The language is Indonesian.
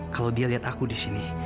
kalau dia lihat aku disini